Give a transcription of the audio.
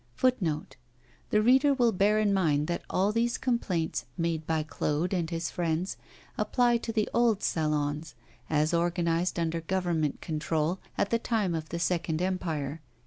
The reader will bear in mind that all these complaints made by Claude and his friends apply to the old Salons, as organized under Government control, at the time of the Second Empire.